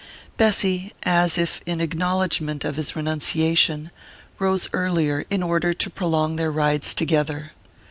Bessy, as if in acknowledgment of his renunciation, rose earlier in order to prolong their rides together.